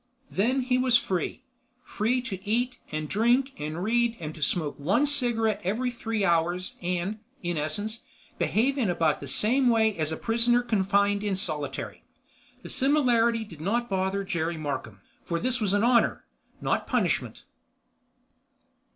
Then he was free. Free to eat and drink and read and smoke one cigarette every three hours and, in essence, behave in about the same way as a prisoner confined in solitary. The similarity did not bother Jerry Markham, for this was honor, not punishment.